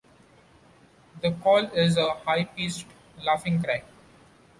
The call is a high-pitched "laughing" cry.